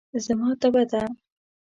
زما تبه ده.